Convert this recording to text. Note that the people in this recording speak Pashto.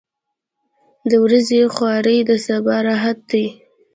• د ورځې خواري د سبا راحت دی.